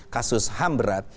kasus ham berat